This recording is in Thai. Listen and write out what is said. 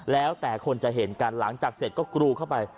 แล้วแต่คนจะเห็นกันหลังจากเสร็จก็กรูเข้าไป